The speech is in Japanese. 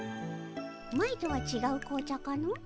前とはちがう紅茶かの？